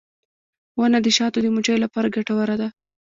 • ونه د شاتو د مچیو لپاره ګټوره ده.